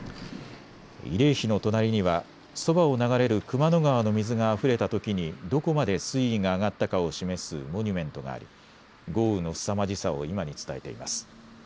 慰霊碑の隣にはそばを流れる熊野川の水があふれたときにどこまで水位が上がったかを示すモニュメントがあり、豪雨のすさまじさを今に伝えています。